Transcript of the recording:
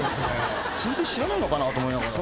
全然知らないのかなと思いながら。